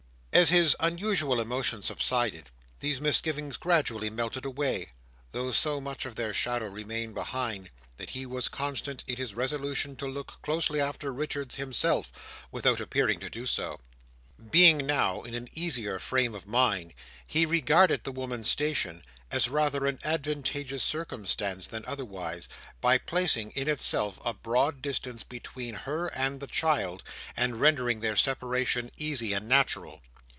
As his unusual emotion subsided, these misgivings gradually melted away, though so much of their shadow remained behind, that he was constant in his resolution to look closely after Richards himself, without appearing to do so. Being now in an easier frame of mind, he regarded the woman's station as rather an advantageous circumstance than otherwise, by placing, in itself, a broad distance between her and the child, and rendering their separation easy and natural.